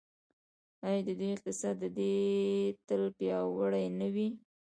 آیا د دوی اقتصاد دې تل پیاوړی نه وي؟